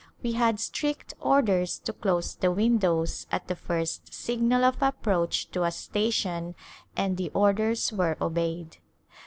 We had strict orders to close the windows at the first signal of approach to a station and the orders were obeyed.